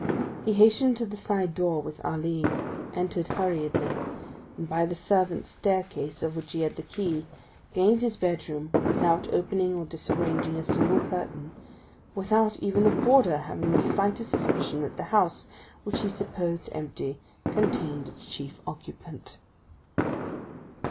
He hastened to the side door with Ali, entered hurriedly, and by the servants' staircase, of which he had the key, gained his bedroom without opening or disarranging a single curtain, without even the porter having the slightest suspicion that the house, which he supposed empty, contained its chief occupant.